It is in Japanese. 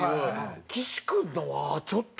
岸君のはちょっと。